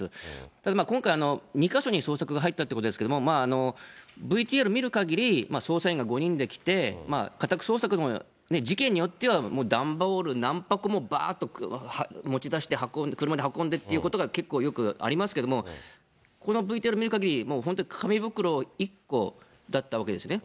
ただ、今回、２か所に捜索が入ったということですけれども、ＶＴＲ見るかぎり、捜査員が５人で来て、家宅捜索、事件によってはもう段ボール何箱もばーっと持ち出して運んで、車で運んでっていうことが結構よくありますけども、このＶＴＲ見るかぎり、もう本当に紙袋１個だったわけですね。